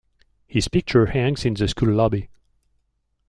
His picture hangs in the school lobby.